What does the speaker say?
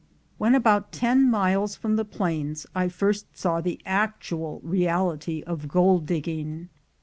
When about ten miles from the plains, I first saw the actual reality of gold digging.